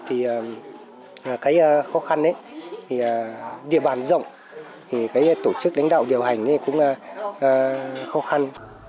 thì cái khó khăn địa bàn rộng tổ chức lãnh đạo điều hành cũng khó khăn